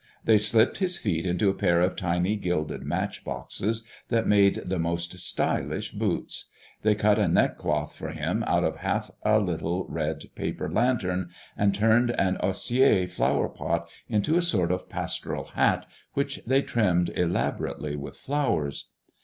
They slipped his feet into a pair of tiny gilded match boxes that made the most stylish boots; they cut a neck cloth for him out of half a little red paper lantern and turned an osier flower pot into a sort of pastoral hat which they trimmed elaborately with flowers.